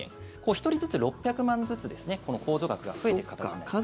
１人ずつ、６００万ずつ控除額が増えていく形になります。